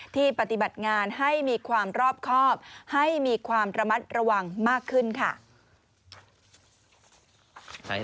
ปฏิบัติงานให้มีความรอบครอบให้มีความระมัดระวังมากขึ้นค่ะ